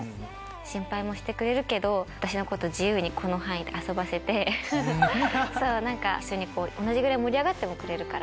心配もしてくれるけど私のこと自由にこの範囲で遊ばせて一緒に同じぐらい盛り上がってもくれるから。